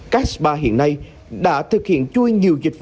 các spa hiện nay đã thực hiện chui nhiều dịch vụ